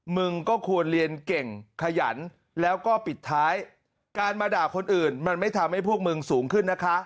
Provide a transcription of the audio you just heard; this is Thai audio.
มึงก็ควรเรียนเก่งขยันแล้วก็ปิดท้ายการมาด่าคนอื่นมันไม่ทำให้พวกมึงสูงขึ้นนะคะ